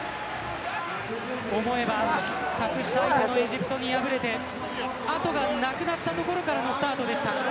思えば、格下相手のエジプトに敗れて後がなくなったところからのスタートでした。